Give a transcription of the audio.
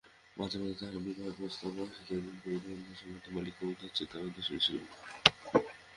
মাঝে মাঝে তাহার বিবাহের প্রস্তাবও আসিত এবং পরিণয়বন্ধন সম্বন্ধে বালকটির চিত্তও উদাসীন ছিল না।